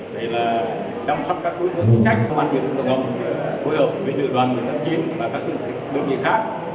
để là đong sắp các cúi dưỡng chính sách công an nghiệp tổng hợp với lựa đoàn một trăm tám mươi chín và các đơn vị khác